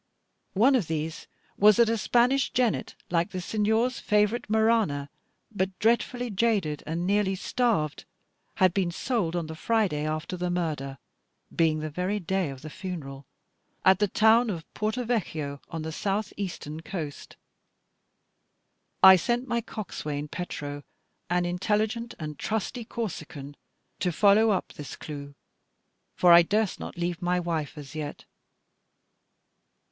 One of these was that a Spanish jennet, like the Signor's favourite "Marana," but dreadfully jaded and nearly starved, had been sold on the Friday after the murder, being the very day of the funeral, at the town of Porto Vecchio on the south eastern coast. I sent my coxswain Petro, an intelligent and trusty Corsican, to follow up this clue; for I durst not leave my wife as yet.